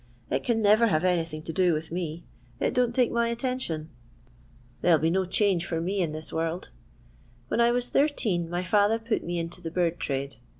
It can never have anything to do with me. It don't take my attention. There '11 be no change for me in this world. When I was thirteen my father put me into the bird trade.